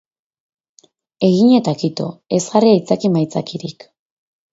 Egin eta kito, ez jarri aitzaki-maitzakirik.